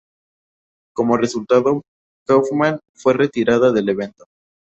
Como resultado, Kaufmann fue retirada del evento.